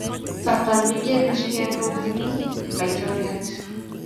Eng kasarta ni komeche kebe ole mi laitoriat